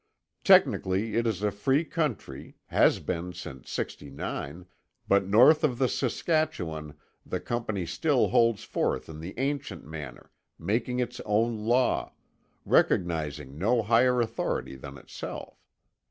Technically, it is a free country, has been since '69, but north of the Saskatchewan the Company still holds forth in the ancient manner, making its own law, recognizing no higher authority than itself.